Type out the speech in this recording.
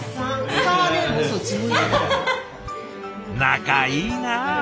仲いいな！